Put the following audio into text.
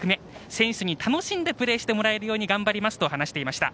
選手に楽しんでプレーしてもらえるように頑張りますと話してました。